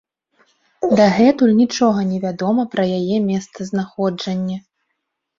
Дагэтуль нічога не вядома пра яе месцазнаходжанне.